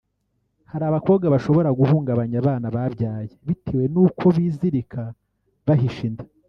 Hari abakobwa bashobora guhungabanya abana babyaye bitewe n’uko bizirika bahisha inda